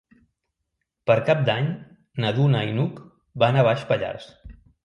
Per Cap d'Any na Duna i n'Hug van a Baix Pallars.